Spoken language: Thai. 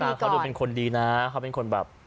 เขาดูเป็นคนดีนะเขาเป็นคนแบบ